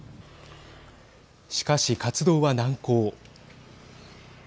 しかし、活動は難航。